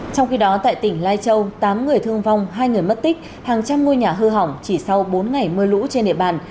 trong khi đó tại tỉnh lai châu tám người thương vong hai người mất tích hàng trăm ngôi nhà hư hỏng chỉ sau bốn ngày mưa lũ trên địa bàn